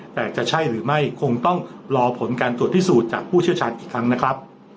แต่จะใช่หรือไม่คงต้องรอผลการตรวจพิสูจน์จากผู้เชี่ยวชาญอีกครั้งนะครับ